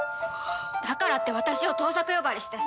だからって私を盗作呼ばわりして。